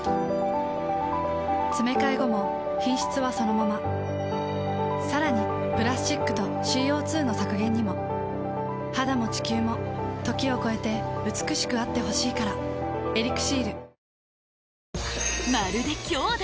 つめかえ後も品質はそのままさらにプラスチックとＣ０２の削減にも肌も地球も時を超えて美しくあってほしいから「ＥＬＩＸＩＲ」まるで兄弟！